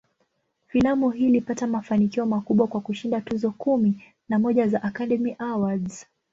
Filamu hii ilipata mafanikio makubwa, kwa kushinda tuzo kumi na moja za "Academy Awards".